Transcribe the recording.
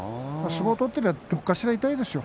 相撲を取っていればどこかしら痛いですよ。